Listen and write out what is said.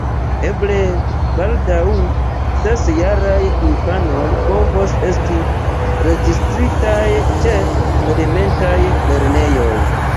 Eble baldaŭ ses-jaraj infanoj povos esti registritaj ĉe elementaj lernejoj.